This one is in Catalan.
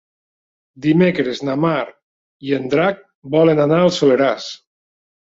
Dimecres na Mar i en Drac volen anar al Soleràs.